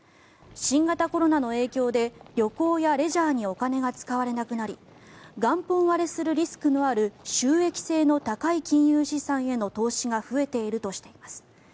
新型コロナの影響で旅行やレジャーにお金が使われなくなり元本割れするリスクのある収益性の高い金融資産への投資が増えているとしています。